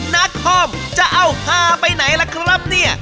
นักคอมจะเอาฮาไปไหนล่ะครับเนี่ย